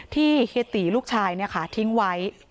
เฮียตีลูกชายทิ้งไว้